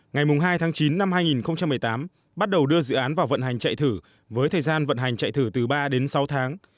ngày hai tháng chín năm hai nghìn một mươi tám bắt đầu đưa dự án vào vận hành chạy thử với thời gian vận hành chạy thử từ ba đến sáu tháng